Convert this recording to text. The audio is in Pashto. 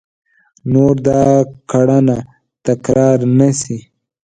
نور دا کړنه تکرار نه شي !